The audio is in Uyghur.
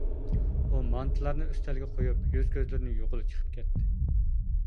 ئۇ مانتىلارنى ئۈستەلگە قۇيۇپ، يۈز-كۆزلىرىنى يۇغىلى چىقىپ كەتتى.